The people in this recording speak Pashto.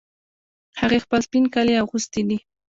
هغې خپل سپین کالي اغوستې دي